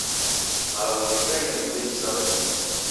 Malagho ghekaia nyumbenyi siw'ekunda.